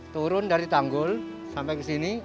turun dari tanggul sampai ke sini